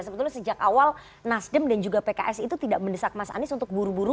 sebetulnya sejak awal nasdem dan juga pks itu tidak mendesak mas anies untuk buru buru